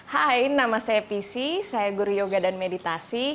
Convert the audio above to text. hai nama saya prishi saya guru yoga dan mediasi